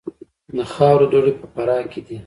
د خاورو دوړې په فراه کې دي